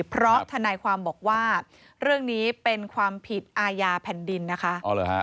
เพราะทนายความบอกว่าเรื่องนี้เป็นความผิดอาญาแผ่นดินนะคะ